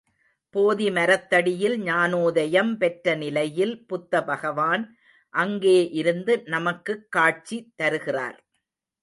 போதி மரத்தடியில் ஞானோதயம் பெற்ற நிலையில் புத்த பகவான் அங்கே இருந்து நமக்குக் காட்சி தருகிறார்.